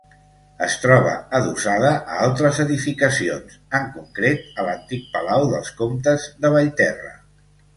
Es troba adossada a altres edificacions, en concret a l'antic palau dels Comtes de Vallterra.